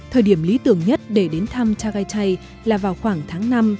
thời điểm lý tưởng nhất để đến thăm tagaytay là vào khoảng tháng năm